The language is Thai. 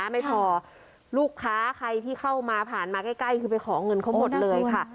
ไม่พอลูกค้าใครที่เข้ามาผ่านมาใกล้คือไปขอเงินเขาหมดเลยค่ะ